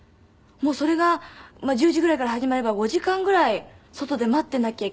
それが１０時ぐらいから始まれば５時間ぐらい外で待ってなきゃいけないんですよ。